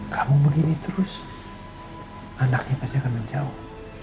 kamu begini terus anaknya pasti akan menjawab